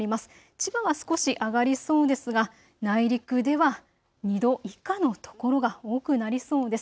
千葉は少し上がりそうですが内陸では２度以下の所が多くなりそうです。